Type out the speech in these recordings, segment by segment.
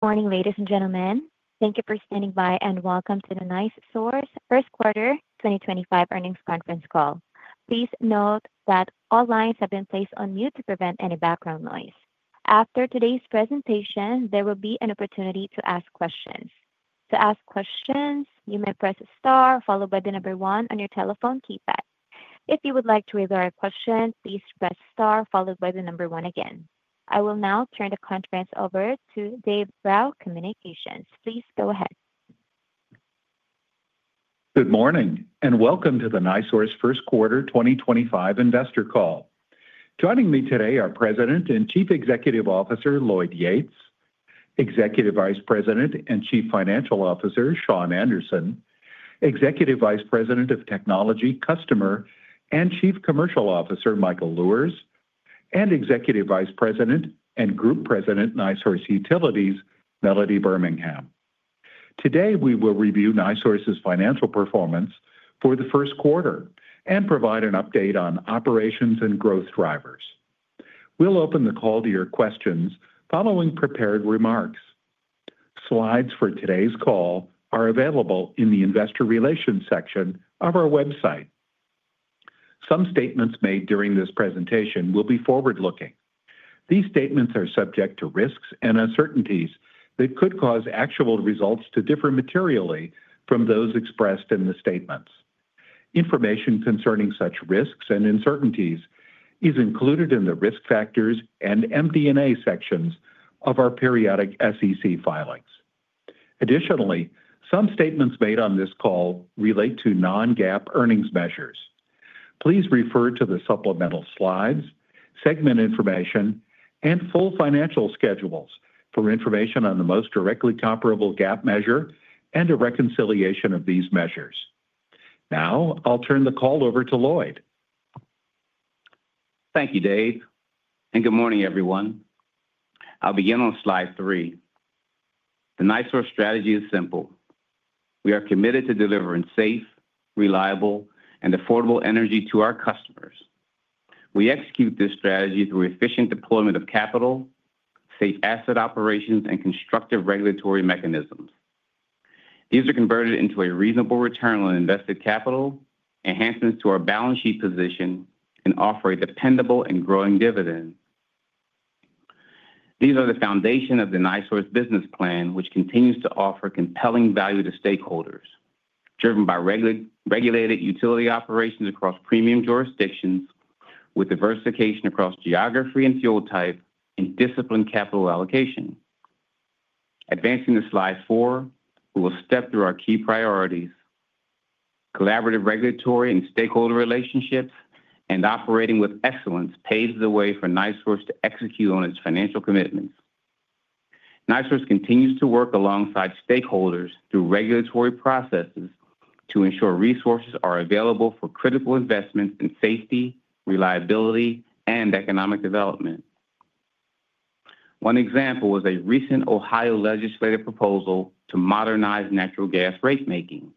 Morning, ladies and gentlemen. Thank you for standing by and welcome to the NiSource First Quarter 2025 Earnings Conference call. Please note that all lines have been placed on mute to prevent any background noise. After today's presentation, there will be an opportunity to ask questions. To ask questions, you may press star followed by the number one on your telephone keypad. If you would like to read your question, please press star followed by the number one again. I will now turn the conference over to Dave Rau, Communications. Please go ahead. Good morning and welcome to the NiSource First Quarter 2025 investor call. Joining me today are President and Chief Executive Officer Lloyd Yates, Executive Vice President and Chief Financial Officer Shawn Anderson, Executive Vice President of Technology, Customer and Chief Commercial Officer Michael Luhrs, and Executive Vice President and Group President, NiSource Utilities, Melody Birmingham. Today, we will review NiSource's financial performance for the first quarter and provide an update on operations and growth drivers. We'll open the call to your questions following prepared remarks. Slides for today's call are available in the investor relations section of our website. Some statements made during this presentation will be forward-looking. These statements are subject to risks and uncertainties that could cause actual results to differ materially from those expressed in the statements. Information concerning such risks and uncertainties is included in the risk factors and MD&A sections of our periodic SEC filings. Additionally, some statements made on this call relate to non-GAAP earnings measures. Please refer to the supplemental slides, segment information, and full financial schedules for information on the most directly comparable GAAP measure and a reconciliation of these measures. Now, I'll turn the call over to Lloyd. Thank you, Dave, and good morning, everyone. I'll begin on slide three. The NiSource strategy is simple. We are committed to delivering safe, reliable, and affordable energy to our customers. We execute this strategy through efficient deployment of capital, safe asset operations, and constructive regulatory mechanisms. These are converted into a reasonable return on invested capital, enhancements to our balance sheet position, and offer a dependable and growing dividend. These are the foundation of the NiSource business plan, which continues to offer compelling value to stakeholders, driven by regulated utility operations across premium jurisdictions, with diversification across geography and fuel type, and disciplined capital allocation. Advancing to slide four, we will step through our key priorities. Collaborative regulatory and stakeholder relationships and operating with excellence pave the way for NiSource to execute on its financial commitments. NiSource continues to work alongside stakeholders through regulatory processes to ensure resources are available for critical investments in safety, reliability, and economic development. One example is a recent Ohio legislative proposal to modernize natural gas rate making.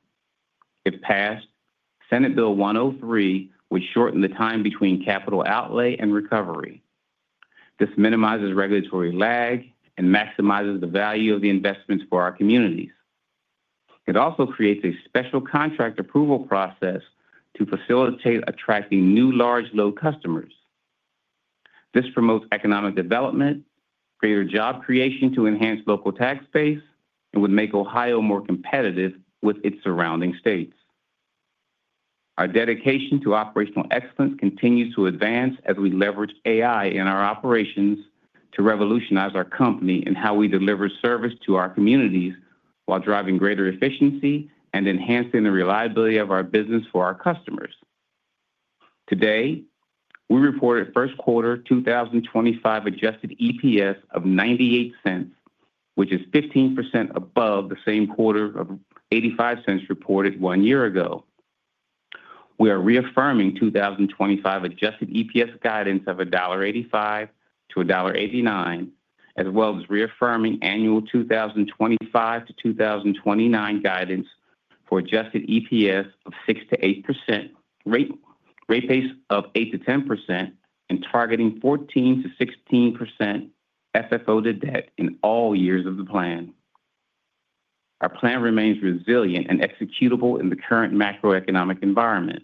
If passed, Senate Bill 103 would shorten the time between capital outlay and recovery. This minimizes regulatory lag and maximizes the value of the investments for our communities. It also creates a special contract approval process to facilitate attracting new large load customers. This promotes economic development, greater job creation to enhance local tax base, and would make Ohio more competitive with its surrounding states. Our dedication to operational excellence continues to advance as we leverage AI in our operations to revolutionize our company and how we deliver service to our communities while driving greater efficiency and enhancing the reliability of our business for our customers. Today, we reported first quarter 2025 adjusted EPS of $0.98, which is 15% above the same quarter of $0.85 reported one year ago. We are reaffirming 2025 adjusted EPS guidance of $1.85-$1.89, as well as reaffirming annual 2025-2029 guidance for adjusted EPS of 6%-8%, rate base of 8%-10%, and targeting 14%-16% FFO to debt in all years of the plan. Our plan remains resilient and executable in the current macroeconomic environment.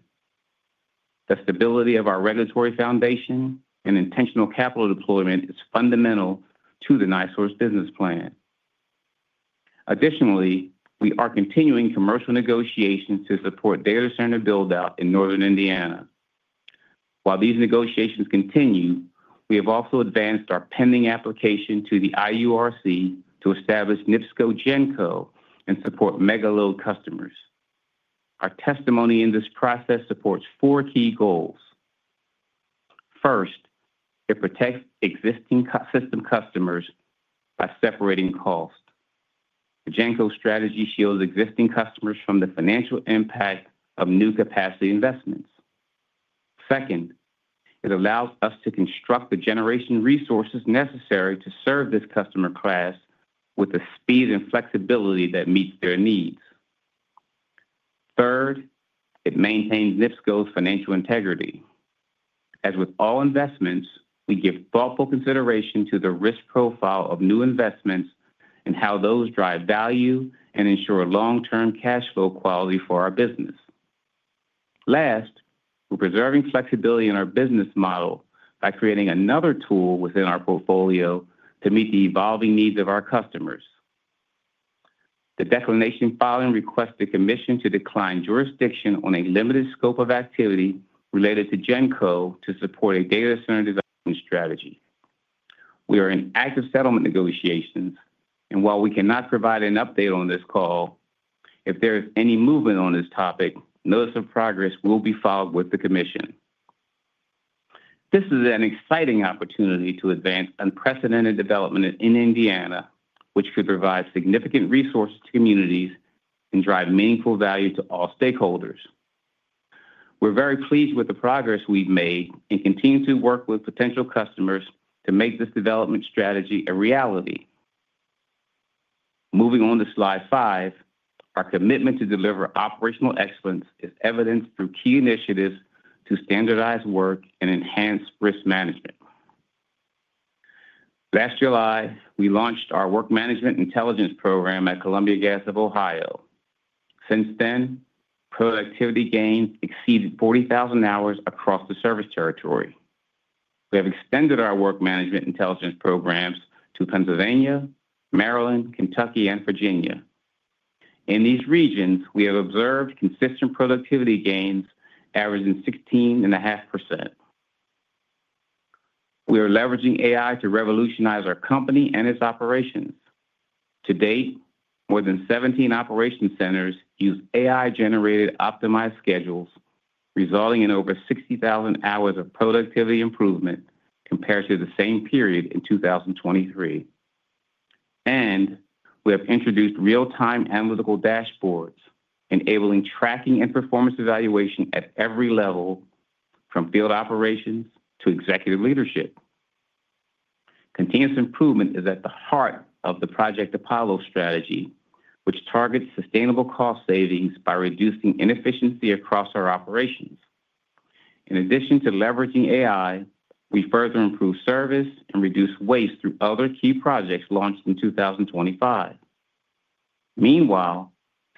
The stability of our regulatory foundation and intentional capital deployment is fundamental to the NiSource business plan. Additionally, we are continuing commercial negotiations to support data center build-out in northern Indiana. While these negotiations continue, we have also advanced our pending application to the IURC to establish NIPSCO-GENCO and support mega-load customers. Our testimony in this process supports four key goals. First, it protects existing system customers by separating cost. The GENCO strategy shields existing customers from the financial impact of new capacity investments. Second, it allows us to construct the generation resources necessary to serve this customer class with the speed and flexibility that meets their needs. Third, it maintains NIPSCO's financial integrity. As with all investments, we give thoughtful consideration to the risk profile of new investments and how those drive value and ensure long-term cash flow quality for our business. Last, we're preserving flexibility in our business model by creating another tool within our portfolio to meet the evolving needs of our customers. The Declaration filing requests the Commission to decline jurisdiction on a limited scope of activity related to GENCO to support a data center development strategy. We are in active settlement negotiations, and while we cannot provide an update on this call, if there is any movement on this topic, notice of progress will be filed with the Commission. This is an exciting opportunity to advance unprecedented development in Indiana, which could provide significant resources to communities and drive meaningful value to all stakeholders. We're very pleased with the progress we've made and continue to work with potential customers to make this development strategy a reality. Moving on to slide five, our commitment to deliver operational excellence is evidenced through key initiatives to standardize work and enhance risk management. Last July, we launched our work management intelligence program at Columbia Gas of Ohio. Since then, productivity gains exceeded 40,000 hours across the service territory. We have extended our work management intelligence programs to Pennsylvania, Maryland, Kentucky, and Virginia. In these regions, we have observed consistent productivity gains averaging 16.5%. We are leveraging AI to revolutionize our company and its operations. To date, more than 17 operation centers use AI-generated optimized schedules, resulting in over 60,000 hours of productivity improvement compared to the same period in 2023. We have introduced real-time analytical dashboards, enabling tracking and performance evaluation at every level, from field operations to executive leadership. Continuous improvement is at the heart of the Project Apollo strategy, which targets sustainable cost savings by reducing inefficiency across our operations. In addition to leveraging AI, we further improve service and reduce waste through other key projects launched in 2025. Meanwhile,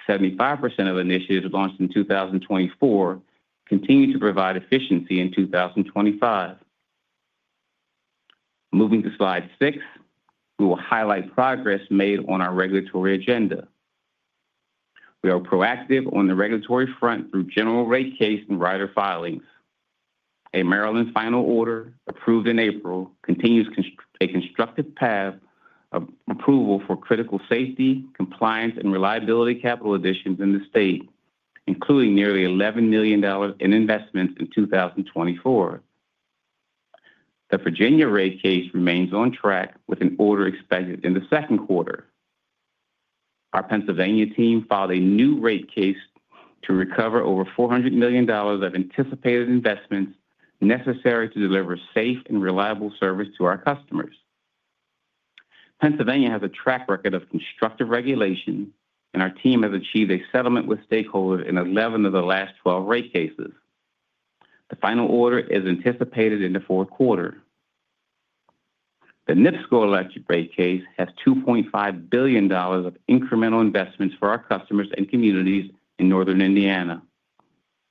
75% of initiatives launched in 2024 continue to provide efficiency in 2025. Moving to slide six, we will highlight progress made on our regulatory agenda. We are proactive on the regulatory front through general rate case and rider filings. A Maryland final order approved in April continues a constructive path of approval for critical safety, compliance, and reliability capital additions in the state, including nearly $11 million in investments in 2024. The Virginia rate case remains on track with an order expected in the second quarter. Our Pennsylvania team filed a new rate case to recover over $400 million of anticipated investments necessary to deliver safe and reliable service to our customers. Pennsylvania has a track record of constructive regulation, and our team has achieved a settlement with stakeholders in 11 of the last 12 rate cases. The final order is anticipated in the fourth quarter. The NIPSCO electric rate case has $2.5 billion of incremental investments for our customers and communities in northern Indiana.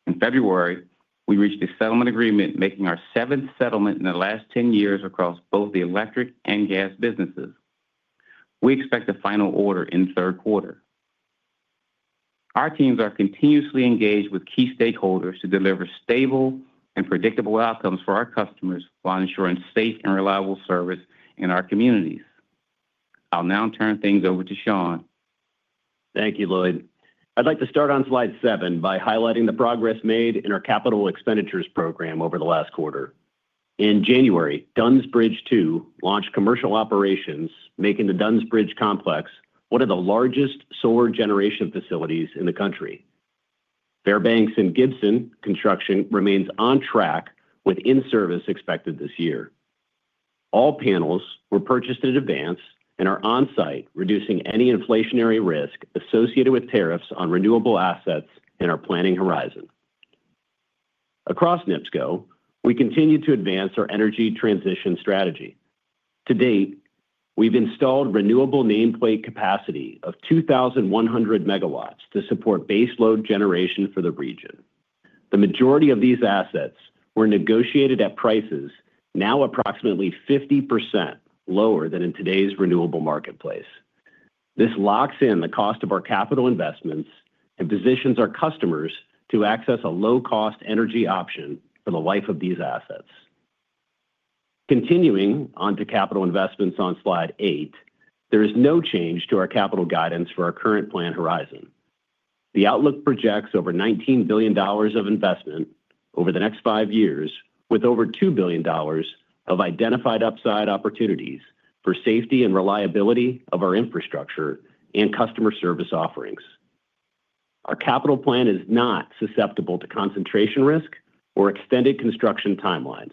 In February, we reached a settlement agreement, making our seventh settlement in the last 10 years across both the electric and gas businesses. We expect a final order in the third quarter. Our teams are continuously engaged with key stakeholders to deliver stable and predictable outcomes for our customers while ensuring safe and reliable service in our communities. I'll now turn things over to Shawn. Thank you, Lloyd. I'd like to start on slide seven by highlighting the progress made in our capital expenditures program over the last quarter. In January, Dunn's Bridge II launched commercial operations, making the Dunn's Bridge complex one of the largest solar generation facilities in the country. Fairbanks and Gibson construction remains on track with in-service expected this year. All panels were purchased in advance and are on-site, reducing any inflationary risk associated with tariffs on renewable assets in our planning horizon. Across NIPSCO, we continue to advance our energy transition strategy. To date, we've installed renewable nameplate capacity of 2,100 megawatts to support base load generation for the region. The majority of these assets were negotiated at prices now approximately 50% lower than in today's renewable marketplace. This locks in the cost of our capital investments and positions our customers to access a low-cost energy option for the life of these assets. Continuing on to capital investments on slide eight, there is no change to our capital guidance for our current plan horizon. The outlook projects over $19 billion of investment over the next five years, with over $2 billion of identified upside opportunities for safety and reliability of our infrastructure and customer service offerings. Our capital plan is not susceptible to concentration risk or extended construction timelines.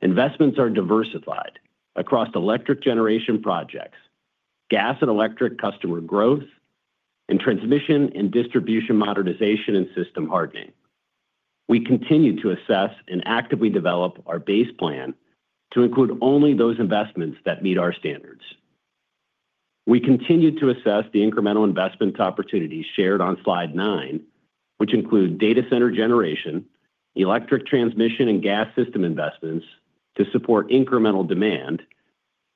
Investments are diversified across electric generation projects, gas and electric customer growth, and transmission and distribution modernization and system hardening. We continue to assess and actively develop our base plan to include only those investments that meet our standards. We continue to assess the incremental investment opportunities shared on slide nine, which include data center generation, electric transmission, and gas system investments to support incremental demand,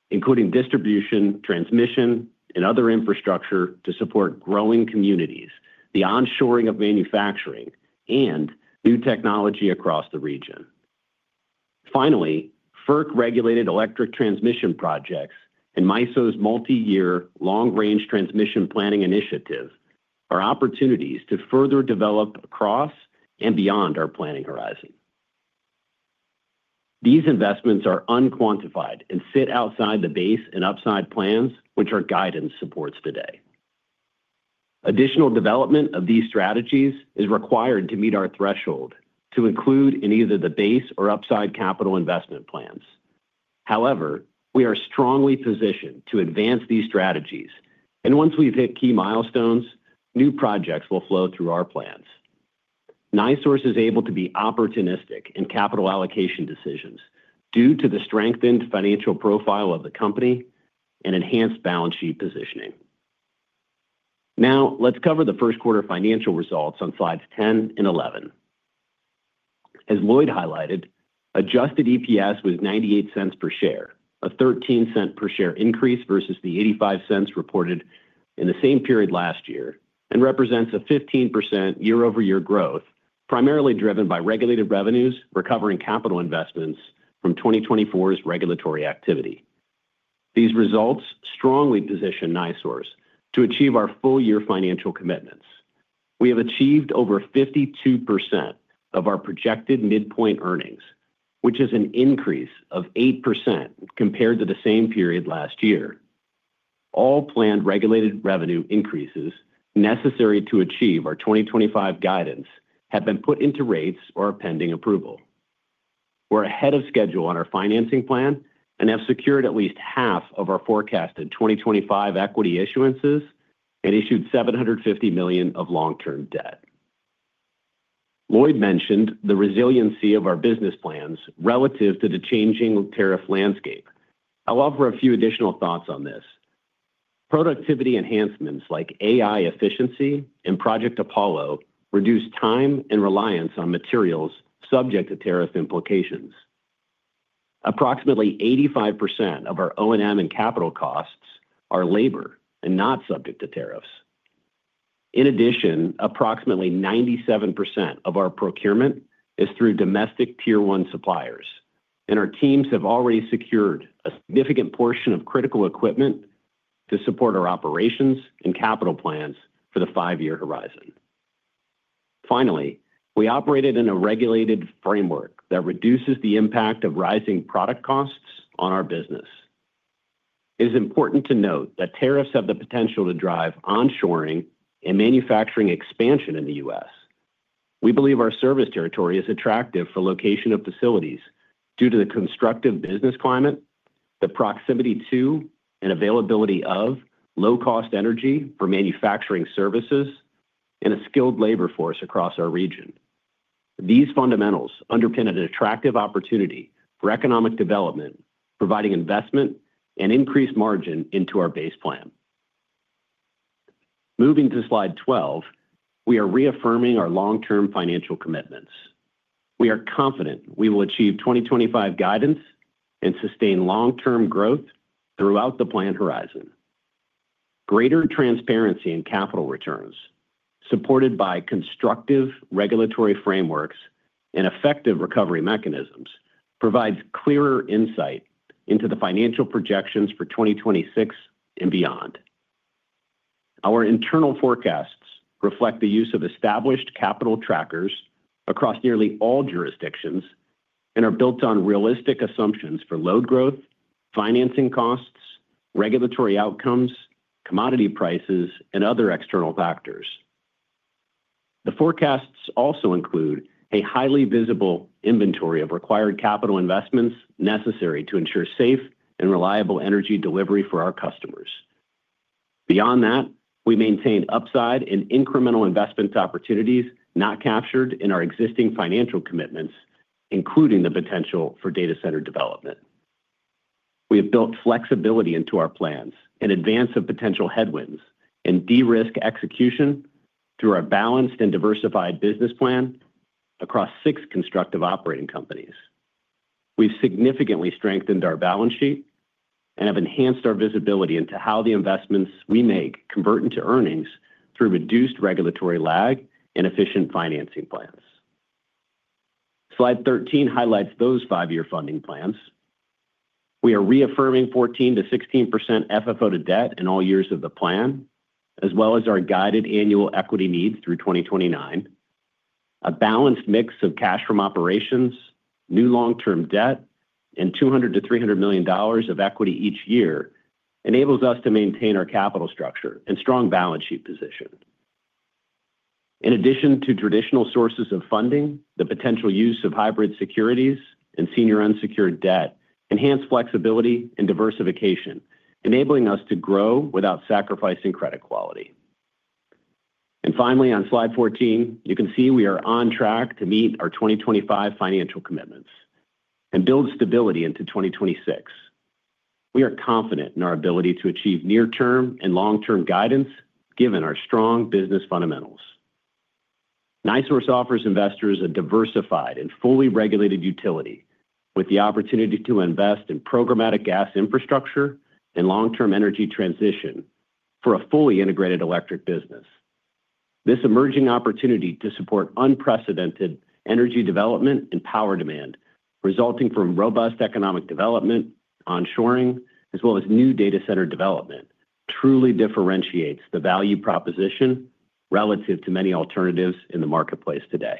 including distribution, transmission, and other infrastructure to support growing communities, the onshoring of manufacturing, and new technology across the region. Finally, FERC-regulated electric transmission projects and MISO's multi-year long-range transmission planning initiative are opportunities to further develop across and beyond our planning horizon. These investments are unquantified and sit outside the base and upside plans, which our guidance supports today. Additional development of these strategies is required to meet our threshold to include in either the base or upside capital investment plans. However, we are strongly positioned to advance these strategies, and once we've hit key milestones, new projects will flow through our plans. NiSource is able to be opportunistic in capital allocation decisions due to the strengthened financial profile of the company and enhanced balance sheet positioning. Now, let's cover the first quarter financial results on slides 10 and 11. As Lloyd highlighted, adjusted EPS was $0.98 per share, a $0.13 per share increase versus the $0.85 reported in the same period last year, and represents a 15% year-over-year growth primarily driven by regulated revenues recovering capital investments from 2024's regulatory activity. These results strongly position NiSource to achieve our full-year financial commitments. We have achieved over 52% of our projected midpoint earnings, which is an increase of 8% compared to the same period last year. All planned regulated revenue increases necessary to achieve our 2025 guidance have been put into rates or are pending approval. We're ahead of schedule on our financing plan and have secured at least half of our forecasted 2025 equity issuances and issued $750 million of long-term debt. Lloyd mentioned the resiliency of our business plans relative to the changing tariff landscape. I'll offer a few additional thoughts on this. Productivity enhancements like AI efficiency and Project Apollo reduce time and reliance on materials subject to tariff implications. Approximately 85% of our O&M and capital costs are labor and not subject to tariffs. In addition, approximately 97% of our procurement is through domestic tier-one suppliers, and our teams have already secured a significant portion of critical equipment to support our operations and capital plans for the five-year horizon. Finally, we operate in a regulated framework that reduces the impact of rising product costs on our business. It is important to note that tariffs have the potential to drive onshoring and manufacturing expansion in the U.S. We believe our service territory is attractive for location of facilities due to the constructive business climate, the proximity to and availability of low-cost energy for manufacturing services, and a skilled labor force across our region. These fundamentals underpin an attractive opportunity for economic development, providing investment and increased margin into our base plan. Moving to slide 12, we are reaffirming our long-term financial commitments. We are confident we will achieve 2025 guidance and sustain long-term growth throughout the plan horizon. Greater transparency in capital returns, supported by constructive regulatory frameworks and effective recovery mechanisms, provides clearer insight into the financial projections for 2026 and beyond. Our internal forecasts reflect the use of established capital trackers across nearly all jurisdictions and are built on realistic assumptions for load growth, financing costs, regulatory outcomes, commodity prices, and other external factors. The forecasts also include a highly visible inventory of required capital investments necessary to ensure safe and reliable energy delivery for our customers. Beyond that, we maintain upside and incremental investment opportunities not captured in our existing financial commitments, including the potential for data center development. We have built flexibility into our plans in advance of potential headwinds and de-risk execution through our balanced and diversified business plan across six constructive operating companies. We have significantly strengthened our balance sheet and have enhanced our visibility into how the investments we make convert into earnings through reduced regulatory lag and efficient financing plans. Slide 13 highlights those five-year funding plans. We are reaffirming 14%-16% FFO to debt in all years of the plan, as well as our guided annual equity needs through 2029. A balanced mix of cash from operations, new long-term debt, and $200 million-$300 million of equity each year enables us to maintain our capital structure and strong balance sheet position. In addition to traditional sources of funding, the potential use of hybrid securities and senior unsecured debt enhances flexibility and diversification, enabling us to grow without sacrificing credit quality. Finally, on slide 14, you can see we are on track to meet our 2025 financial commitments and build stability into 2026. We are confident in our ability to achieve near-term and long-term guidance, given our strong business fundamentals. NiSource offers investors a diversified and fully regulated utility with the opportunity to invest in programmatic gas infrastructure and long-term energy transition for a fully integrated electric business. This emerging opportunity to support unprecedented energy development and power demand, resulting from robust economic development, onshoring, as well as new data center development, truly differentiates the value proposition relative to many alternatives in the marketplace today.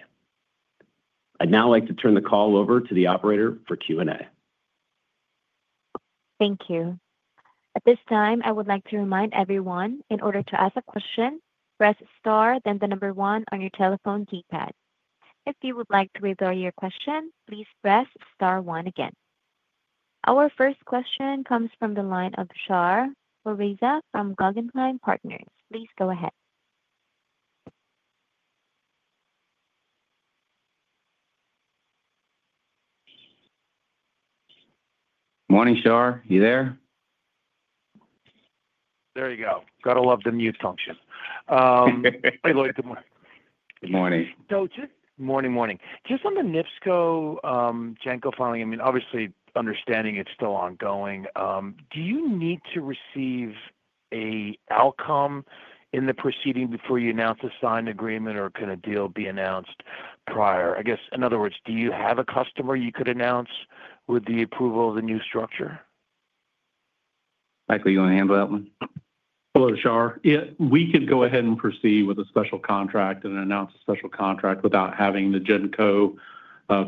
I'd now like to turn the call over to the operator for Q&A. Thank you. At this time, I would like to remind everyone in order to ask a question, press star s, then the number one on your telephone keypad. If you would like to withdraw your question, please press Star one again. Our first question comes from the line of Shar Pourreza from Guggenheim Partners. Please go ahead. Morning, Shar. You there? There you go. Got to love the mute function. Hi, Lloyd. Good morning. Good morning. Morning, morning. Just on the NIPSCO GENCO filing, I mean, obviously, understanding it's still ongoing, do you need to receive an outcome in the proceeding before you announce a signed agreement, or can a deal be announced prior? I guess, in other words, do you have a customer you could announce with the approval of the new structure? Michael, you want to handle that one? Hello, Shar. Yeah, we could go ahead and proceed with a special contract and announce a special contract without having the GENCO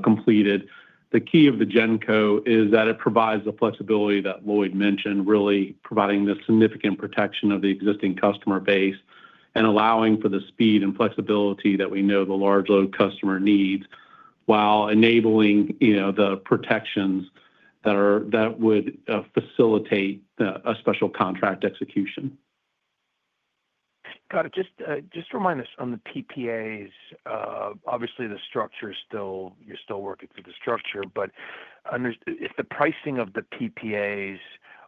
completed. The key of the GENCO is that it provides the flexibility that Lloyd mentioned, really providing the significant protection of the existing customer base and allowing for the speed and flexibility that we know the large load customer needs while enabling the protections that would facilitate a special contract execution. Got it. Just remind us on the PPAs, obviously, the structure is still, you're still working through the structure, but if the pricing of the PPAs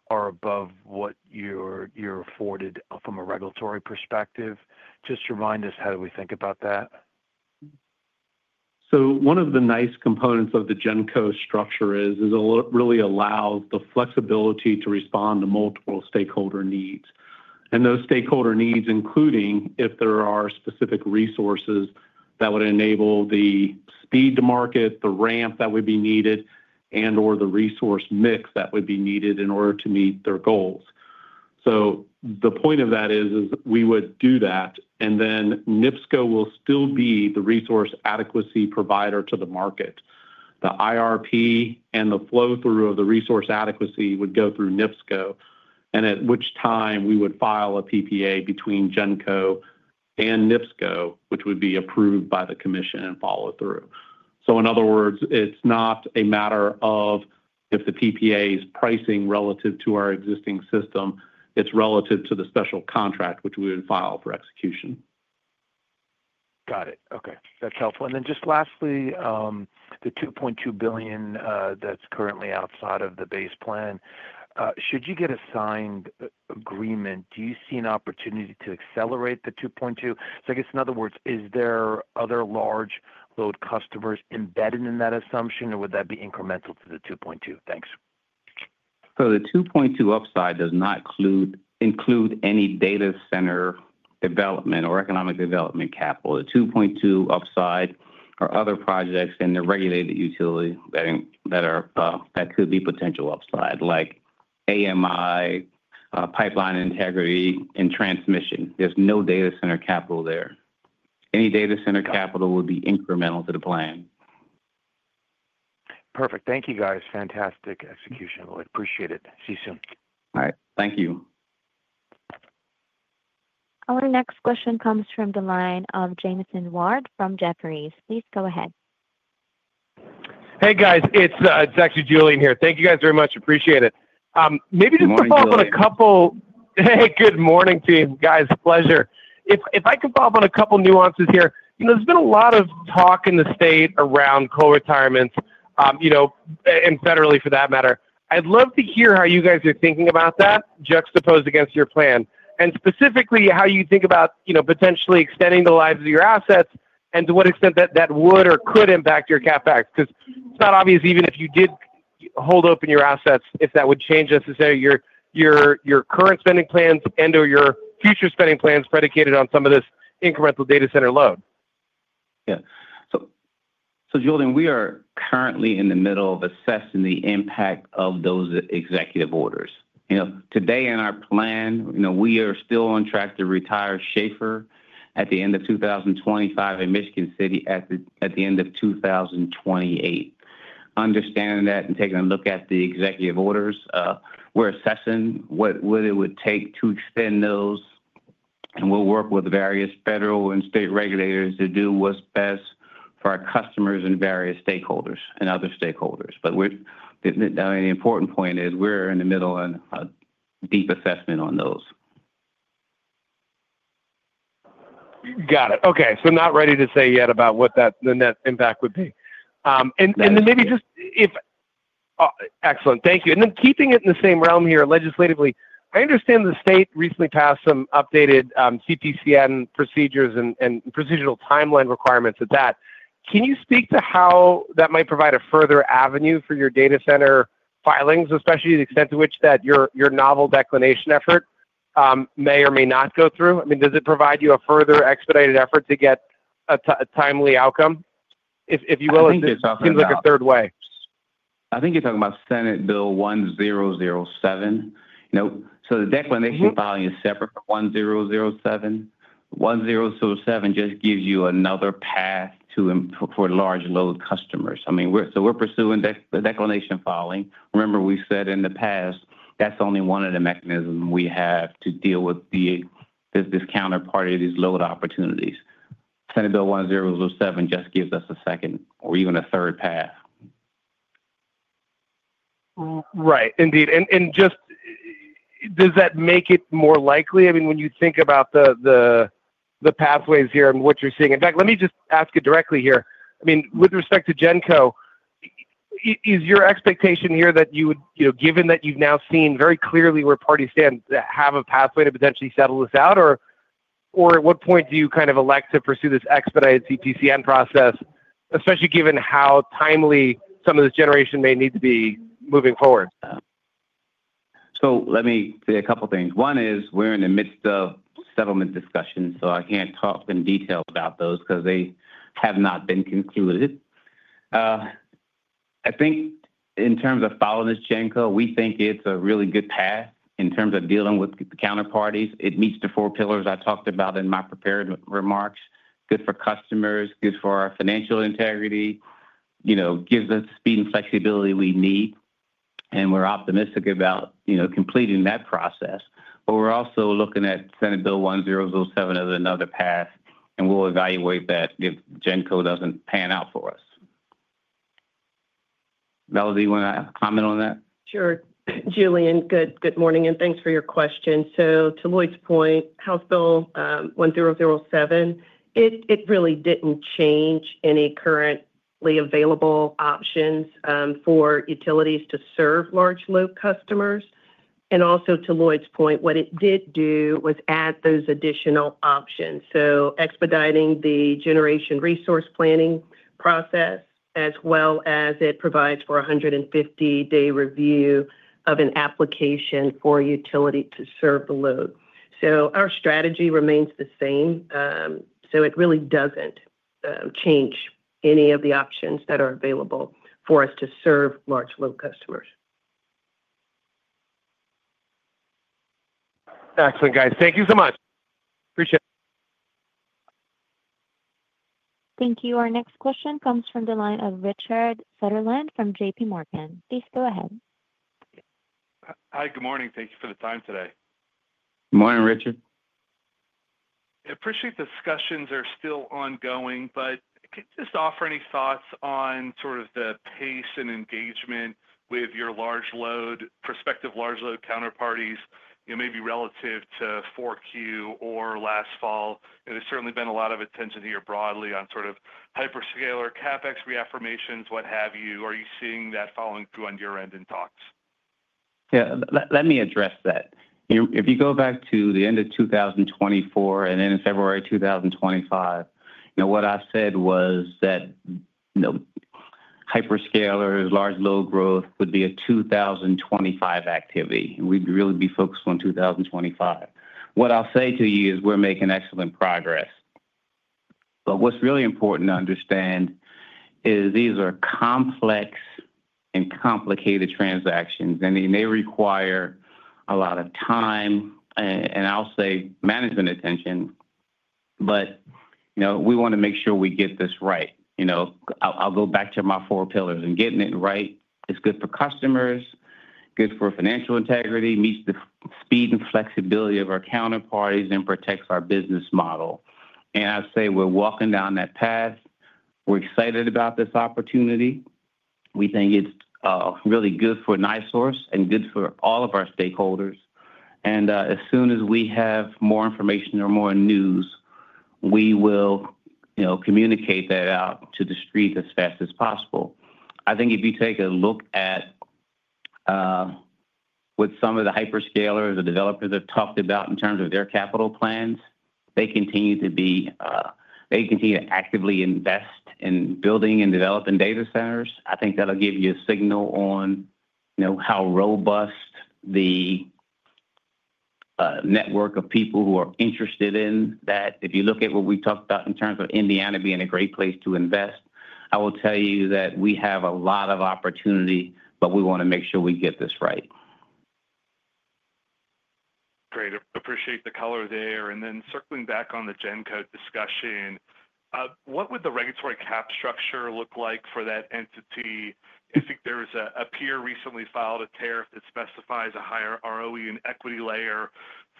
are above what you're afforded from a regulatory perspective, just remind us how do we think about that. One of the nice components of the GENCO structure is it really allows the flexibility to respond to multiple stakeholder needs. Those stakeholder needs, including if there are specific resources that would enable the speed to market, the ramp that would be needed, and/or the resource mix that would be needed in order to meet their goals. The point of that is we would do that, and then NIPSCO will still be the resource adequacy provider to the market. The IRP and the flow-through of the resource adequacy would go through NIPSCO, and at which time we would file a PPA between GENCO and NIPSCO, which would be approved by the commission and followed through. In other words, it's not a matter of if the PPA is pricing relative to our existing system, it's relative to the special contract, which we would file for execution. Got it. Okay. That's helpful. Lastly, the $2.2 billion that's currently outside of the base plan, should you get a signed agreement, do you see an opportunity to accelerate the $2.2 billion? I guess, in other words, is there other large load customers embedded in that assumption, or would that be incremental to the $2.2 billion? Thanks. The $2.2 billion upside does not include any data center development or economic development capital. The $2.2 billion upside are other projects in the regulated utility that could be potential upside, like AMI, pipeline integrity, and transmission. There is no data center capital there. Any data center capital would be incremental to the plan. Perfect. Thank you, guys. Fantastic execution. I appreciate it. See you soon. All right. Thank you. Our next question comes from the line of Jamieson Ward from Jefferies. Please go ahead. Hey, guys. It's actually Julian here. Thank you guys very much. Appreciate it. Maybe just to follow up on a couple, hey, good morning, team. Guys, pleasure. If I can follow up on a couple of nuances here, there's been a lot of talk in the state around co-retirements and federally, for that matter. I'd love to hear how you guys are thinking about that juxtaposed against your plan, and specifically how you think about potentially extending the lives of your assets and to what extent that would or could impact your CapEx. Because it's not obvious, even if you did hold open your assets, if that would change necessarily your current spending plans and/or your future spending plans predicated on some of this incremental data center load. Yeah. Julian, we are currently in the middle of assessing the impact of those executive orders. Today in our plan, we are still on track to retire Schahfer at the end of 2025 and Michigan City at the end of 2028. Understanding that and taking a look at the executive orders, we're assessing what it would take to extend those, and we'll work with various federal and state regulators to do what's best for our customers and various stakeholders. The important point is we're in the middle of a deep assessment on those. Got it. Okay. So not ready to say yet about what the net impact would be. And then maybe just if excellent. Thank you. Then keeping it in the same realm here, legislatively, I understand the state recently passed some updated CPCN procedures and procedural timeline requirements at that. Can you speak to how that might provide a further avenue for your data center filings, especially the extent to which that your novel declination effort may or may not go through? I mean, does it provide you a further expedited effort to get a timely outcome, if you will? It seems like a third way. I think you're talking about Senate Bill 1007. The declination filing is separate from 1007. 1007 just gives you another path for large load customers. I mean, we're pursuing the declination filing. Remember, we said in the past, that's only one of the mechanisms we have to deal with this counterpart of these load opportunities. Senate Bill 1007 just gives us a second or even a third path. Right. Indeed. Does that make it more likely? I mean, when you think about the pathways here and what you're seeing? In fact, let me just ask it directly here. I mean, with respect to GENCO, is your expectation here that you would, given that you've now seen very clearly where parties stand, have a pathway to potentially settle this out? At what point do you kind of elect to pursue this expedited CPCN process, especially given how timely some of this generation may need to be moving forward? Let me say a couple of things. One is we're in the midst of settlement discussions, so I can't talk in detail about those because they have not been concluded. I think in terms of following this GENCO, we think it's a really good path in terms of dealing with the counterparties. It meets the four pillars I talked about in my prepared remarks. Good for customers, good for our financial integrity, gives us the speed and flexibility we need, and we're optimistic about completing that process. We're also looking at Senate Bill 1007 as another path, and we'll evaluate that if GENCO doesn't pan out for us. Melody, you want to comment on that? Sure. Julian, good morning, and thanks for your question. To Lloyd's point, House Bill 1007 really did not change any currently available options for utilities to serve large load customers. Also to Lloyd's point, what it did do was add those additional options. Expediting the generation resource planning process, as well as it provides for a 150-day review of an application for utility to serve the load. Our strategy remains the same. It really does not change any of the options that are available for us to serve large load customers. Excellent, guys. Thank you so much. Appreciate it. Thank you. Our next question comes from the line of Richard Sutherland from JPMorgan. Please go ahead. Hi, good morning. Thank you for the time today. Good morning, Richard. I appreciate the discussions are still ongoing, but just offer any thoughts on sort of the pace and engagement with your large load, prospective large load counterparties, maybe relative to Q4 or last fall. There's certainly been a lot of attention here broadly on sort of hyperscaler, CapEx reaffirmations, what have you. Are you seeing that following through on your end in talks? Yeah. Let me address that. If you go back to the end of 2024 and then in February 2025, what I said was that hyperscalers, large load growth would be a 2025 activity, and we'd really be focused on 2025. What I'll say to you is we're making excellent progress. What is really important to understand is these are complex and complicated transactions, and they require a lot of time, and I'll say management attention, but we want to make sure we get this right. I'll go back to my four pillars. Getting it right is good for customers, good for financial integrity, meets the speed and flexibility of our counterparties, and protects our business model. I'd say we're walking down that path. We're excited about this opportunity. We think it's really good for NiSource and good for all of our stakeholders. As soon as we have more information or more news, we will communicate that out to the street as fast as possible. I think if you take a look at what some of the hyperscalers or developers have talked about in terms of their capital plans, they continue to actively invest in building and developing data centers. I think that'll give you a signal on how robust the network of people who are interested in that is. If you look at what we talked about in terms of Indiana being a great place to invest, I will tell you that we have a lot of opportunity, but we want to make sure we get this right. Great. Appreciate the color there. Circling back on the GENCO discussion, what would the regulatory cap structure look like for that entity? I think there was a peer recently filed a tariff that specifies a higher ROE and equity layer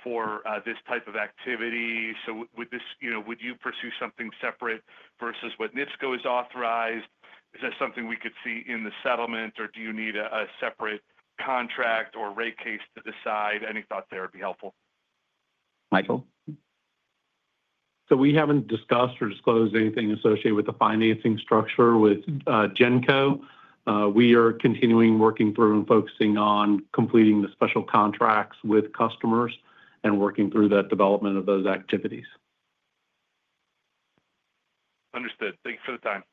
for this type of activity. Would you pursue something separate versus what NIPSCO has authorized? Is that something we could see in the settlement, or do you need a separate contract or rate case to decide? Any thoughts there would be helpful? Michael. We have not discussed or disclosed anything associated with the financing structure with GENCO. We are continuing working through and focusing on completing the special contracts with customers and working through that development of those activities. Understood. Thank you for the time.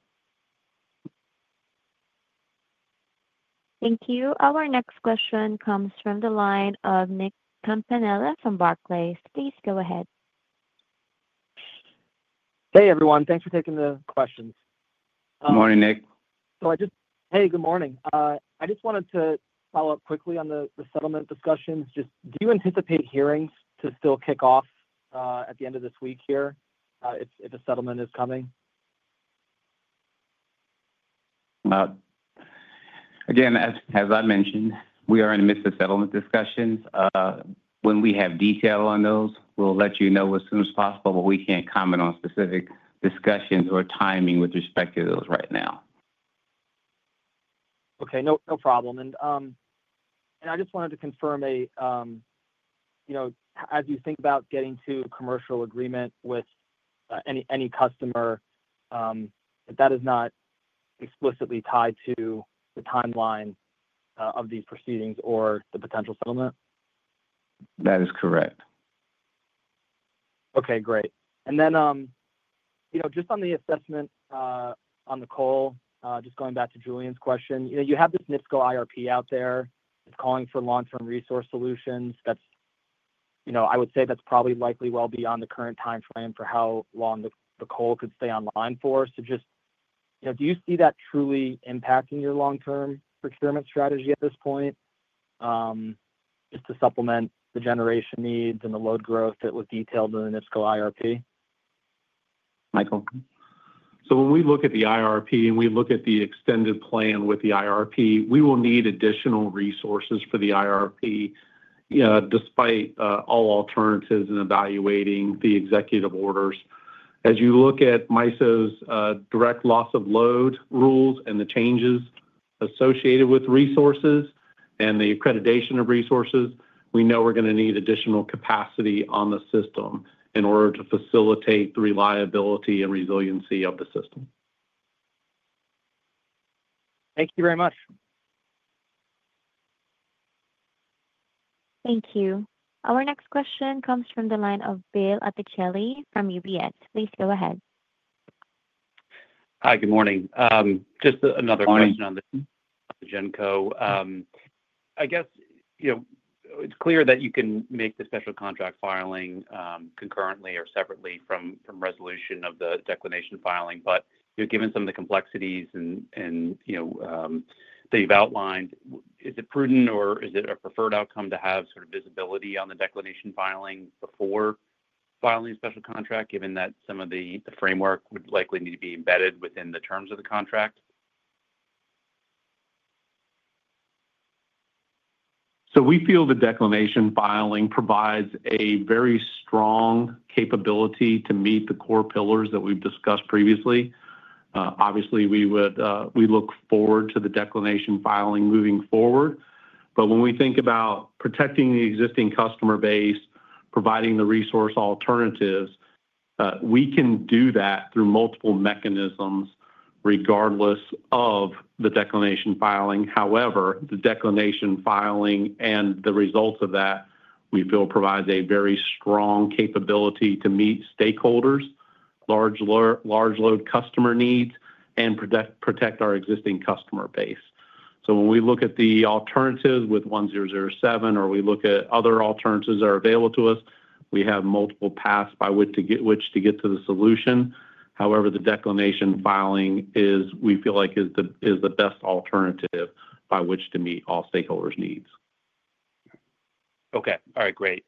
Thank you. Our next question comes from the line of Nick Campanella from Barclays. Please go ahead. Hey, everyone. Thanks for taking the questions. Good morning, Nick. Hey, good morning. I just wanted to follow up quickly on the settlement discussions. Do you anticipate hearings to still kick off at the end of this week here if a settlement is coming? Again, as I mentioned, we are in the midst of settlement discussions. When we have detail on those, we'll let you know as soon as possible, but we can't comment on specific discussions or timing with respect to those right now. Okay. No problem. I just wanted to confirm, as you think about getting to a commercial agreement with any customer, that is not explicitly tied to the timeline of these proceedings or the potential settlement? That is correct. Okay. Great. Then just on the assessment on the call, just going back to Julian's question, you have this NIPSCO IRP out there that's calling for long-term resource solutions. I would say that's probably likely well beyond the current timeframe for how long the call could stay online for. Just do you see that truly impacting your long-term procurement strategy at this point just to supplement the generation needs and the load growth that was detailed in the NIPSCO IRP? Michael. When we look at the IRP and we look at the extended plan with the IRP, we will need additional resources for the IRP despite all alternatives in evaluating the executive orders. As you look at MISO's direct loss of load rules and the changes associated with resources and the accreditation of resources, we know we're going to need additional capacity on the system in order to facilitate the reliability and resiliency of the system. Thank you very much. Thank you. Our next question comes from the line of Bill Attichelle from UBS. Please go ahead. Hi, good morning. Just another question on the GENCO. I guess it's clear that you can make the special contract filing concurrently or separately from resolution of the declination filing. Given some of the complexities that you've outlined, is it prudent or is it a preferred outcome to have sort of visibility on the declination filing before filing a special contract, given that some of the framework would likely need to be embedded within the terms of the contract? We feel the declination filing provides a very strong capability to meet the core pillars that we've discussed previously. Obviously, we look forward to the declination filing moving forward. When we think about protecting the existing customer base, providing the resource alternatives, we can do that through multiple mechanisms regardless of the declination filing. However, the declination filing and the results of that, we feel, provides a very strong capability to meet stakeholders, large load customer needs, and protect our existing customer base. When we look at the alternatives with 1007 or we look at other alternatives that are available to us, we have multiple paths by which to get to the solution. However, the declination filing, we feel like, is the best alternative by which to meet all stakeholders' needs. Okay. All right. Great.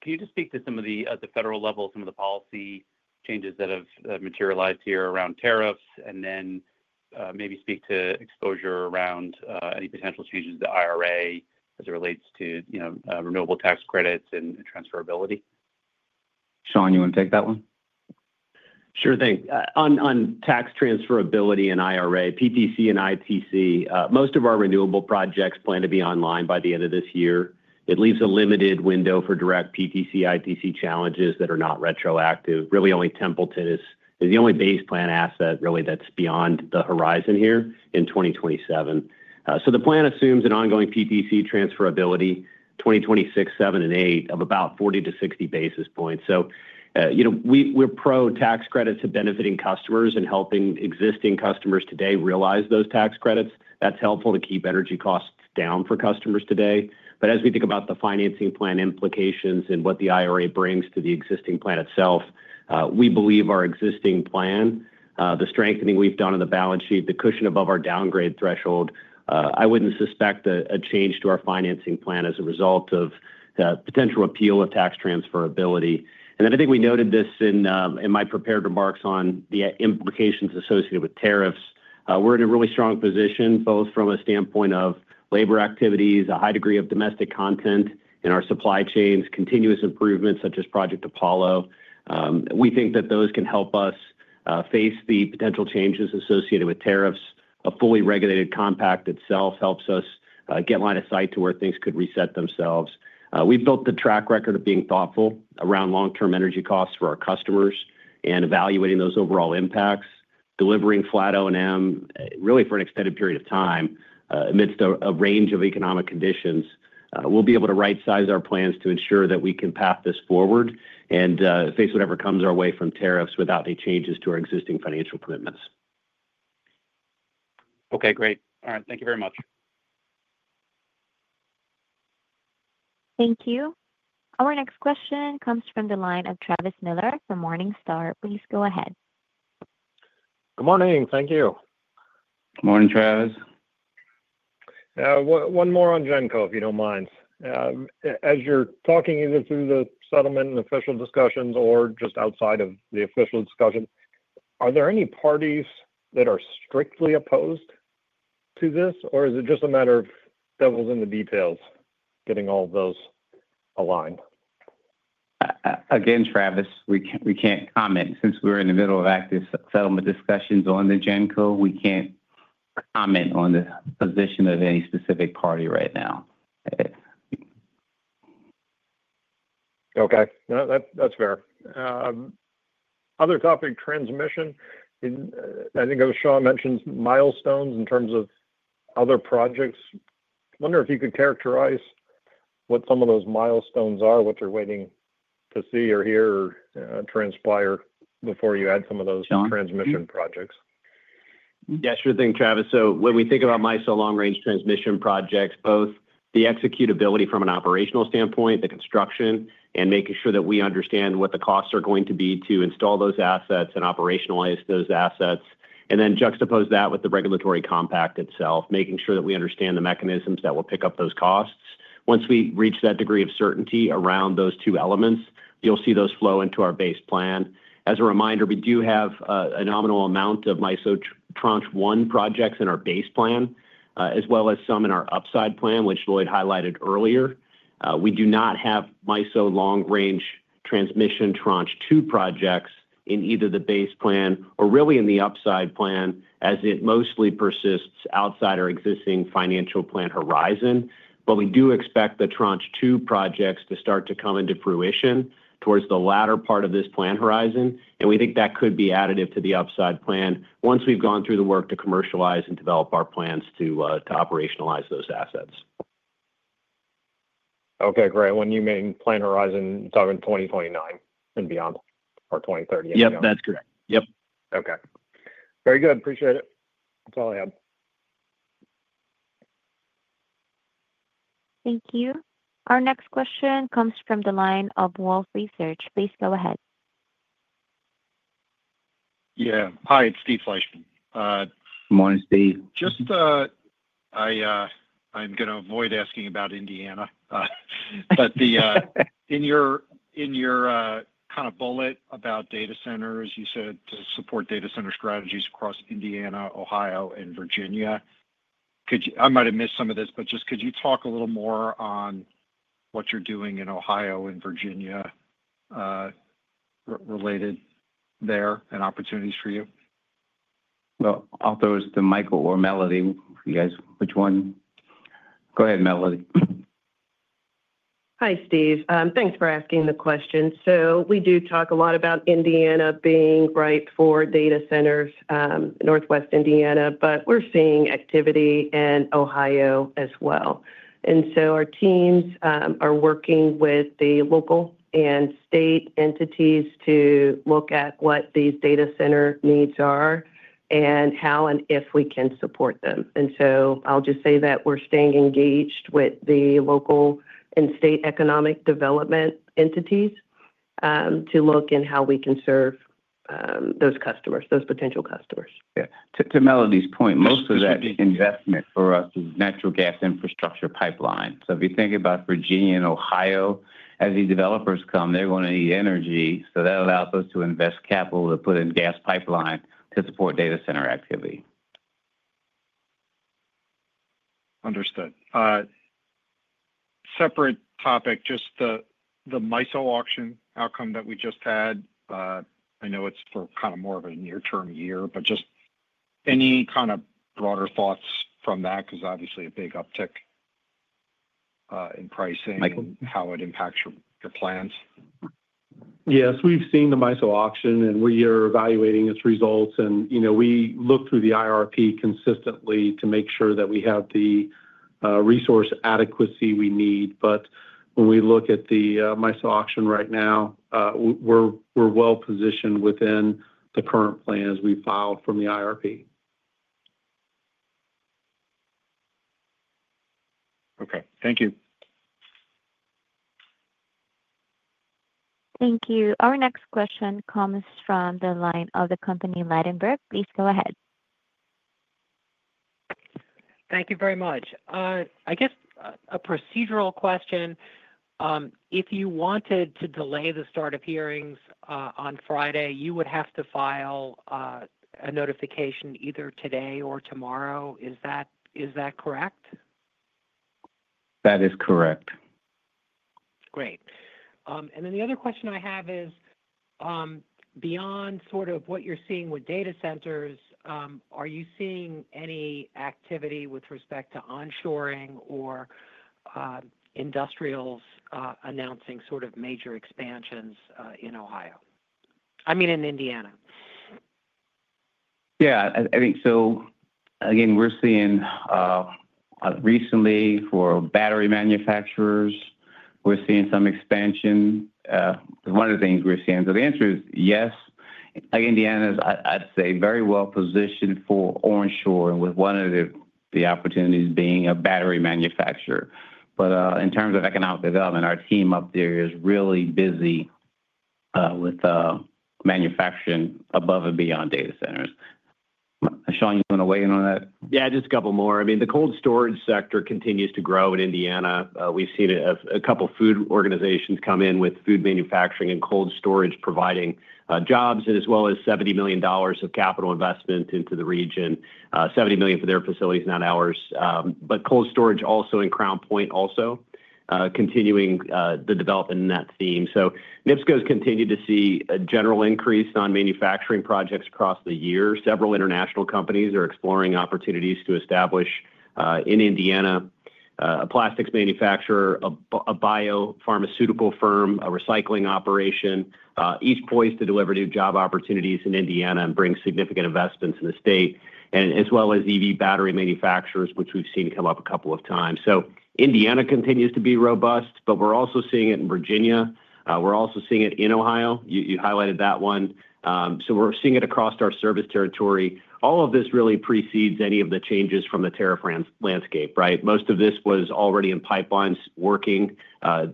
Can you just speak to some of the federal level, some of the policy changes that have materialized here around tariffs, and then maybe speak to exposure around any potential changes to IRA as it relates to renewable tax credits and transferability? Shawn, you want to take that one? Sure thing. On tax transferability and IRA, PTC and ITC, most of our renewable projects plan to be online by the end of this year. It leaves a limited window for direct PTC, ITC challenges that are not retroactive. Really, only Templeton is the only base plan asset, really, that's beyond the horizon here in 2027. The plan assumes an ongoing PTC transferability 2026, 2027, and 2028 of about 40-60 basis points. We are pro tax credits to benefiting customers and helping existing customers today realize those tax credits. That is helpful to keep energy costs down for customers today. As we think about the financing plan implications and what the IRA brings to the existing plan itself, we believe our existing plan, the strengthening we've done on the balance sheet, the cushion above our downgrade threshold, I wouldn't suspect a change to our financing plan as a result of the potential appeal of tax transferability. I think we noted this in my prepared remarks on the implications associated with tariffs. We're in a really strong position, both from a standpoint of labor activities, a high degree of domestic content in our supply chains, continuous improvements such as Project Apollo. We think that those can help us face the potential changes associated with tariffs. A fully regulated compact itself helps us get line of sight to where things could reset themselves. We've built the track record of being thoughtful around long-term energy costs for our customers and evaluating those overall impacts, delivering flat O&M really for an extended period of time amidst a range of economic conditions. We'll be able to right-size our plans to ensure that we can path this forward and face whatever comes our way from tariffs without any changes to our existing financial commitments. Okay. Great. All right. Thank you very much. Thank you. Our next question comes from the line of Travis Miller from Morningstar. Please go ahead. Good morning. Thank you. Good morning, Travis. One more on GENCO, if you don't mind. As you're talking either through the settlement and official discussions or just outside of the official discussion, are there any parties that are strictly opposed to this, or is it just a matter of devil's in the details getting all of those aligned? Again, Travis, we can't comment. Since we're in the middle of active settlement discussions on the GENCO, we can't comment on the position of any specific party right now. Okay. That's fair. Other topic, transmission. I think Shawn mentioned milestones in terms of other projects. I wonder if you could characterize what some of those milestones are, what you're waiting to see or hear transpire before you add some of those transmission projects. Yeah. Sure thing, Travis. When we think about MISO long-range transmission projects, both the executability from an operational standpoint, the construction, and making sure that we understand what the costs are going to be to install those assets and operationalize those assets, and then juxtapose that with the regulatory compact itself, making sure that we understand the mechanisms that will pick up those costs. Once we reach that degree of certainty around those two elements, you'll see those flow into our base plan. As a reminder, we do have a nominal amount of MISO tranche one projects in our base plan, as well as some in our upside plan, which Lloyd highlighted earlier. We do not have MISO long-range transmission tranche two projects in either the base plan or really in the upside plan, as it mostly persists outside our existing financial plan horizon. We do expect the tranche two projects to start to come into fruition towards the latter part of this plan horizon. We think that could be additive to the upside plan once we've gone through the work to commercialize and develop our plans to operationalize those assets. Okay. Great. When you mean plan horizon, you're talking 2029 and beyond or 2030 and beyond? Yep. That's correct. Yep. Okay. Very good. Appreciate it. That's all I have. Thank you. Our next question comes from the line of Wolfe Research. Please go ahead. Yeah. Hi. It's Steve Fleischman. Good morning, Steve. I'm going to avoid asking about Indiana. In your kind of bullet about data centers, you said to support data center strategies across Indiana, Ohio, and Virginia. I might have missed some of this, but just could you talk a little more on what you're doing in Ohio and Virginia related there and opportunities for you? I'll pose to Michael or Melody. You guys, which one? Go ahead, Melody. Hi, Steve. Thanks for asking the question. We do talk a lot about Indiana being ripe for data centers in Northwest Indiana, but we're seeing activity in Ohio as well. Our teams are working with the local and state entities to look at what these data center needs are and how and if we can support them. I'll just say that we're staying engaged with the local and state economic development entities to look in how we can serve those customers, those potential customers. Yeah. To Melody's point, most of that investment for us is natural gas infrastructure pipeline. If you think about Virginia and Ohio, as these developers come, they're going to need energy. That allows us to invest capital to put in gas pipeline to support data center activity. Understood. Separate topic, just the MISO auction outcome that we just had. I know it's for kind of more of a near-term year, but just any kind of broader thoughts from that? Because obviously a big uptick in pricing and how it impacts your plans? Yes. We've seen the MISO auction, and we are evaluating its results. We look through the IRP consistently to make sure that we have the resource adequacy we need. When we look at the MISO auction right now, we're well positioned within the current plans we filed from the IRP. Okay. Thank you. Thank you. Our next question comes from the line of Ladenburg. Please go ahead. Thank you very much. I guess a procedural question. If you wanted to delay the start of hearings on Friday, you would have to file a notification either today or tomorrow. Is that correct? That is correct. Great. The other question I have is, beyond sort of what you're seeing with data centers, are you seeing any activity with respect to onshoring or industrials announcing sort of major expansions in Ohio? I mean, in Indiana. Yeah. I think so. Again, we're seeing recently for battery manufacturers, we're seeing some expansion. One of the things we're seeing. So the answer is yes. Indiana, I'd say, is very well positioned for onshoring, with one of the opportunities being a battery manufacturer. In terms of economic development, our team up there is really busy with manufacturing above and beyond data centers. Shawn, you want to weigh in on that? Yeah. Just a couple more. I mean, the cold storage sector continues to grow in Indiana. We've seen a couple of food organizations come in with food manufacturing and cold storage providing jobs, as well as $70 million of capital investment into the region, $70 million for their facilities, not ours. Cold storage also in Crown Point, also continuing to develop in that theme. NIPSCO has continued to see a general increase on manufacturing projects across the year. Several international companies are exploring opportunities to establish in Indiana: a plastics manufacturer, a biopharmaceutical firm, a recycling operation. Each poised to deliver new job opportunities in Indiana and bring significant investments in the state, as well as EV battery manufacturers, which we've seen come up a couple of times. Indiana continues to be robust, but we're also seeing it in Virginia. We're also seeing it in Ohio. You highlighted that one. We're seeing it across our service territory. All of this really precedes any of the changes from the tariff landscape, right? Most of this was already in pipelines working. Our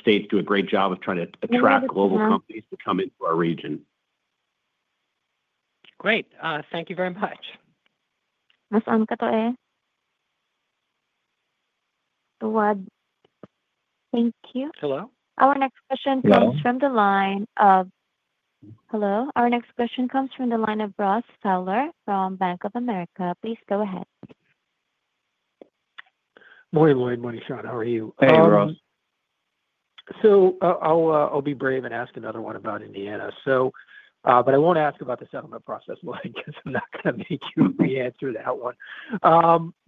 states do a great job of trying to attract global companies to come into our region. Great. Thank you very much. Thank you. Our next question comes from the line of Ross Fowler from Bank of America. Please go ahead. Morning, Lloyd. Morning, Shawn. How are you? Hey, Ross. I'll be brave and ask another one about Indiana. I won't ask about the settlement process, Lloyd, because I'm not going to make you re-enter that one.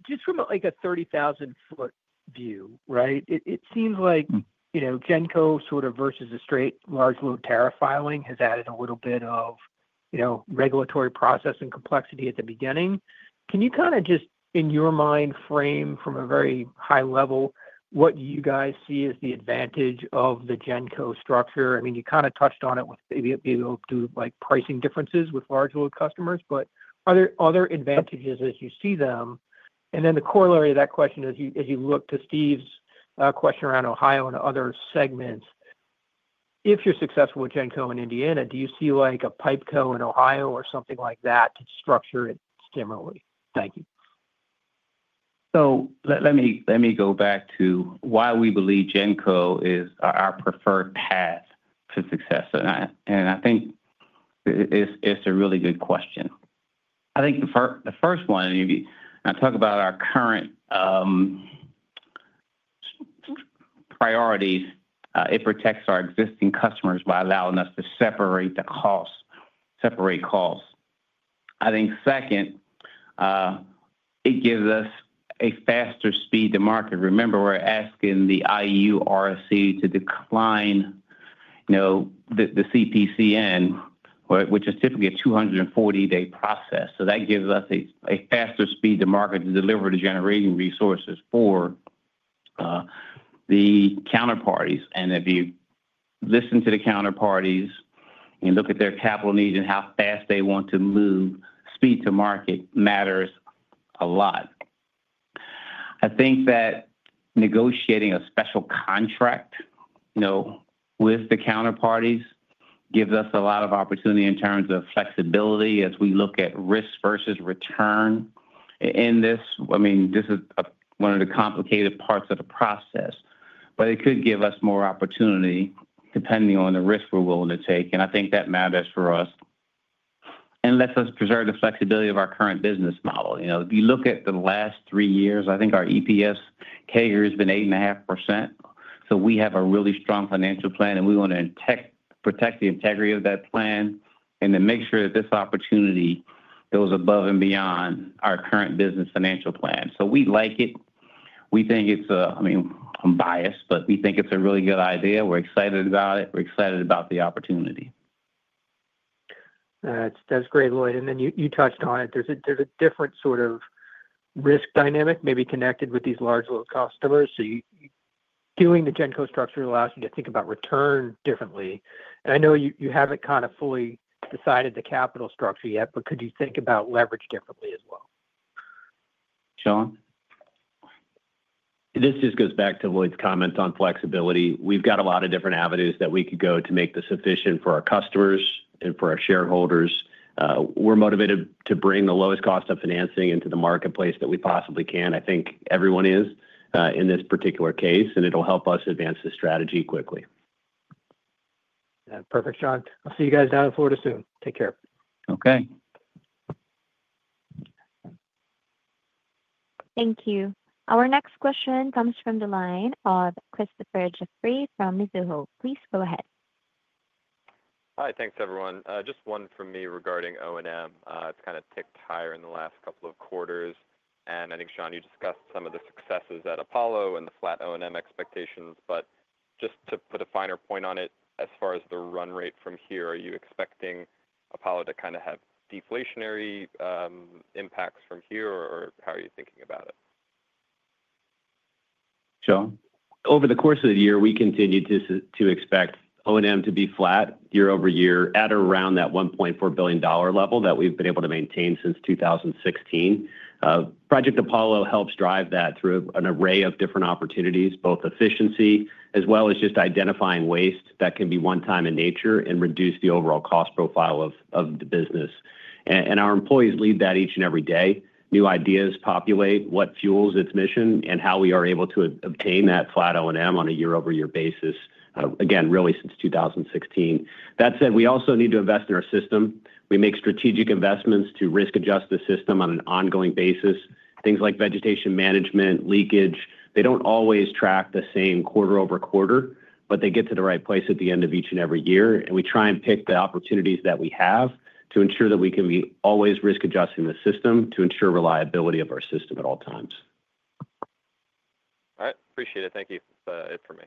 Just from a 30,000-foot view, right, it seems like GENCO, sort of versus a straight, large load tariff filing, has added a little bit of regulatory process and complexity at the beginning. Can you kind of just, in your mind, frame from a very high level what you guys see as the advantage of the GENCO structure? I mean, you kind of touched on it with maybe it will do pricing differences with large load customers, but are there other advantages as you see them? The corollary of that question is, as you look to Steve's question around Ohio and other segments, if you're successful with GENCOs in Indiana, do you see a GENCO in Ohio or something like that to structure it similarly? Thank you. Let me go back to why we believe GENCO is our preferred path to success. I think it is a really good question. I think the first one, I talk about our current priorities. It protects our existing customers by allowing us to separate the costs. I think second, it gives us a faster speed to market. Remember, we are asking the IURC to decline the CPCN, which is typically a 240-day process. That gives us a faster speed to market to deliver the generating resources for the counterparties. If you listen to the counterparties and look at their capital needs and how fast they want to move, speed to market matters a lot. I think that negotiating a special contract with the counterparties gives us a lot of opportunity in terms of flexibility as we look at risk versus return in this. I mean, this is one of the complicated parts of the process, but it could give us more opportunity depending on the risk we're willing to take. I think that matters for us and lets us preserve the flexibility of our current business model. If you look at the last three years, I think our EPS CAGR has been 8.5%. We have a really strong financial plan, and we want to protect the integrity of that plan and to make sure that this opportunity goes above and beyond our current business financial plan. We like it. We think it's a—I mean, I'm biased, but we think it's a really good idea. We're excited about it. We're excited about the opportunity. That's great, Lloyd. You touched on it. There's a different sort of risk dynamic maybe connected with these large, low customers. Doing the GENCO structure allows you to think about return differently. I know you haven't kind of fully decided the capital structure yet, but could you think about leverage differently as well? Shawn? This just goes back to Lloyd's comments on flexibility. We've got a lot of different avenues that we could go to make this efficient for our customers and for our shareholders. We're motivated to bring the lowest cost of financing into the marketplace that we possibly can. I think everyone is in this particular case, and it'll help us advance the strategy quickly. Perfect, Shawn. I'll see you guys down in Florida soon. Take care. Okay. Thank you. Our next question comes from the line of Christopher Jeffrey from Mizuho. Please go ahead. Hi. Thanks, everyone. Just one from me regarding O&M. It's kind of ticked higher in the last couple of quarters. I think, Shawn, you discussed some of the successes at Apollo and the flat O&M expectations. Just to put a finer point on it, as far as the run rate from here, are you expecting Apollo to kind of have deflationary impacts from here, or how are you thinking about it? Over the course of the year, we continue to expect O&M to be flat year over year at around that $1.4 billion level that we've been able to maintain since 2016. Project Apollo helps drive that through an array of different opportunities, both efficiency as well as just identifying waste that can be one-time in nature and reduce the overall cost profile of the business. Our employees lead that each and every day. New ideas populate what fuels its mission and how we are able to obtain that flat O&M on a year-over-year basis, again, really since 2016. That said, we also need to invest in our system. We make strategic investments to risk-adjust the system on an ongoing basis. Things like vegetation management, leakage, they do not always track the same quarter over quarter, but they get to the right place at the end of each and every year. We try and pick the opportunities that we have to ensure that we can be always risk-adjusting the system to ensure reliability of our system at all times. All right. Appreciate it. Thank you. That's it for me.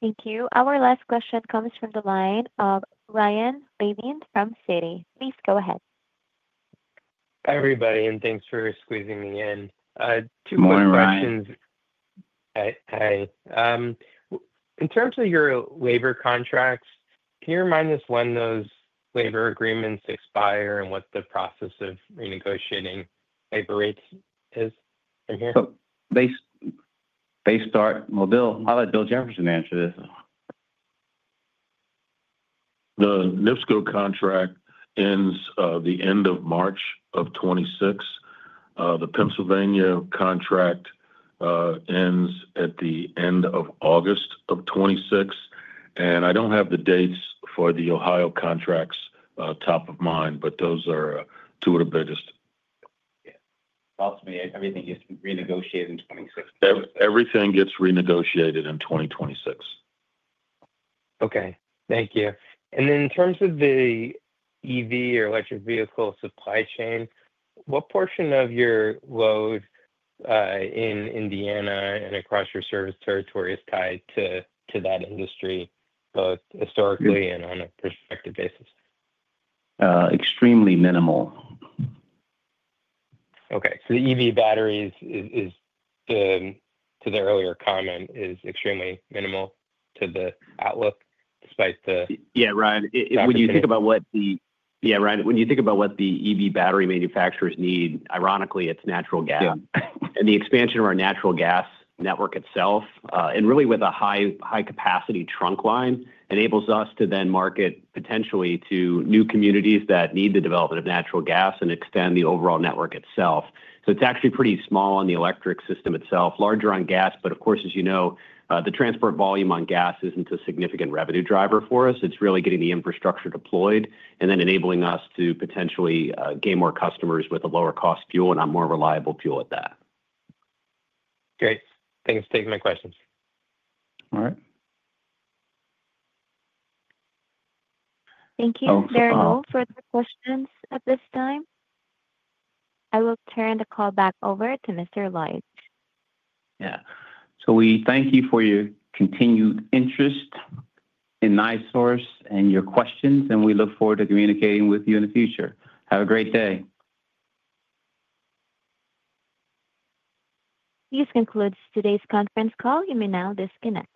Thank you. Our last question comes from the line of Ryan Levine from Citi. Please go ahead. Hi, everybody, and thanks for squeezing me in. Two more questions. Morning, Ry. Hi. In terms of your labor contracts, can you remind us when those labor agreements expire and what the process of renegotiating labor rates is from here? They start. I'll let Bill Jefferson answer this. The NIPSCO contract ends the end of March of 2026. The Pennsylvania contract ends at the end of August of 2026. I do not have the dates for the Ohio contracts top of mind, but those are two of the biggest. Yeah. Everything gets renegotiated in 2026. Everything gets renegotiated in 2026. Okay. Thank you. In terms of the EV or electric vehicle supply chain, what portion of your load in Indiana and across your service territory is tied to that industry, both historically and on a prospective basis? Extremely minimal. Okay. So the EV batteries, to the earlier comment, is extremely minimal to the outlook despite the— Yeah, Ryan. When you think about what the EV battery manufacturers need, ironically, it's natural gas. The expansion of our natural gas network itself, and really with a high-capacity trunk line, enables us to then market potentially to new communities that need the development of natural gas and extend the overall network itself. It is actually pretty small on the electric system itself, larger on gas. Of course, as you know, the transport volume on gas is not a significant revenue driver for us. It is really getting the infrastructure deployed and then enabling us to potentially gain more customers with a lower-cost fuel and a more reliable fuel at that. Great. Thanks. Taking my questions. All right. Thank you. There are no further questions at this time. I will turn the call back over to Mr. Lloyd. Yeah. So we thank you for your continued interest in NiSource and your questions, and we look forward to communicating with you in the future. Have a great day. This concludes today's conference call. You may now disconnect.